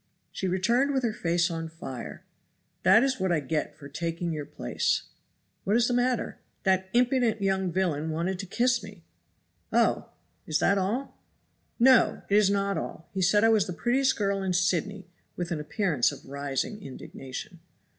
She returned with her face on fire. "That is what I get for taking your place!" "What is the matter?" "That impudent young villain wanted to kiss me." "Oh! is that all?" "No! it is not all; he said I was the prettiest girl in Sydney" (with an appearance of rising indignation).